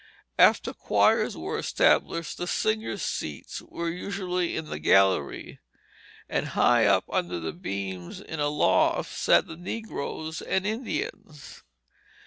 After choirs were established the singers' seats were usually in the gallery; and high up under the beams in a loft sat the negroes and Indians.